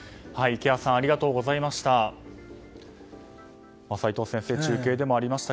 池谷さんありがとうございました。